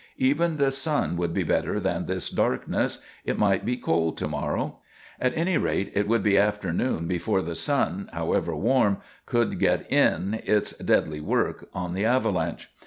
Even the sun would be better than this darkness. It might be cold to morrow. At any rate, it would be afternoon before the sun, however warm, could get in its deadly work on the avalanche.